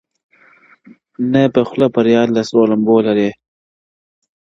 نه په خوله فریاد له سرولمبو لري -